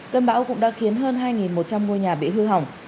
cơn bão cũng đã khiến hơn hai một trăm linh ngôi nhà bị hư hỏng